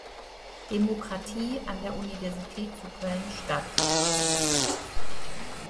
Demokratie" an der Universität zu Köln statt.